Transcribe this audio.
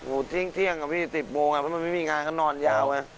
โอ้โหเที่ยงกับพี่๑๐โมงถ้ามันไม่มีงานก็นอนยาวนะ